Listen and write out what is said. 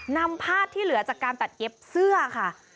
นำภาพที่เหลือจากการตัดเย็บเสื้อค่ะ